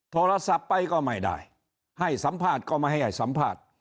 โทรศัพท์ไปก็ไม่ได้ให้สัมภาษณ์ก็ไม่ให้สัมภาษณ์